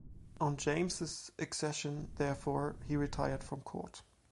On James's accession, therefore, he retired from court.